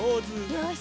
よし。